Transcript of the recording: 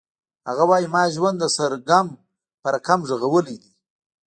هغه وایی ما ژوند د سرګم په رقم غږولی دی